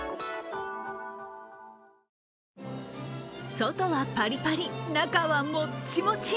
外はパリパリ、中はもっちもち。